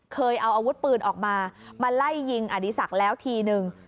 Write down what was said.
เคยเอาอาวุธปืนออกมามาไล่ยิงอดีศักดิ์แล้วทีนึง